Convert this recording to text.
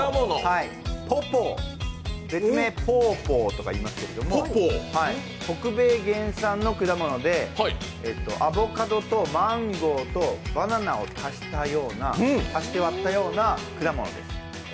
ポポー、別名ポーポーとかいいますけど北米原産の果物で、アボカドとマンゴーとバナナを足して割ったような果物です。